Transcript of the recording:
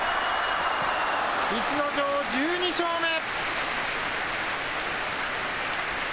逸ノ城、１２勝目。